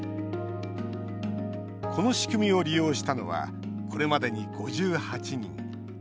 この仕組みを利用したのはこれまでに５８人。